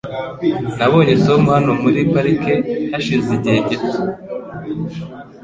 Nabonye Tom hano muri parike hashize igihe gito.